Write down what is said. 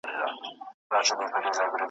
تر چار چوبه دی راغلې لېونۍ د ځوانۍ مینه .